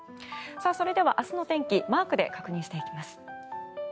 それでは、明日の天気マークで確認していきます。